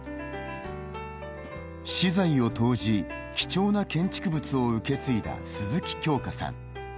私財を投じ、貴重な建築物を受け継いだ鈴木京香さん。